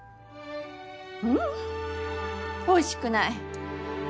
ううんおいしくない。